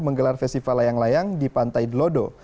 menggelar festival layang layang di pantai delodo